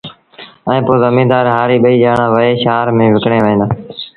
ائيٚݩ پو زميݩدآر هآريٚ ٻئيٚ ڄآڻآݩ وهي شآهر ميݩ وڪڻڻ وهيݩ دآ